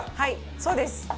そうです！